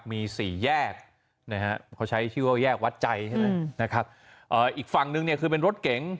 มีสี่แยกใช้ชื่อว่าแยกวัดใจอีกฝั่งหนึ่งเป็นรถเก่ง